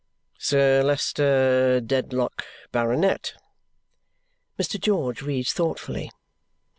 "'Sir Leicester Dedlock, Baronet,'" Mr. George reads thoughtfully.